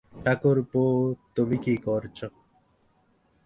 ঠাকুরপো, তুমি করছ কী?